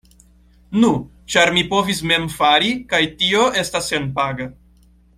Nu, ĉar mi povis mem fari kaj tio estas senpaga.